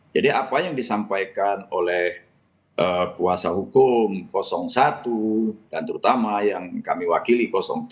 jadi apa yang disampaikan oleh kuasa hukum satu dan terutama yang kami wakili tiga